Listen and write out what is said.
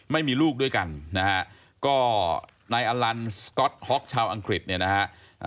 ไม่มีลูกด้วยกันนะฮะก็นายอลันสก๊อตฮ็อกชาวอังกฤษเนี่ยนะฮะ